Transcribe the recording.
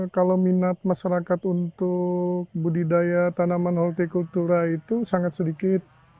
kalau minat masyarakat untuk budidaya tanaman holti kultura itu sangat sedikit